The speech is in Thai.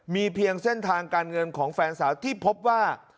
มีเพียงเส้นทางการเงินของแฟนสาวที่พบว่า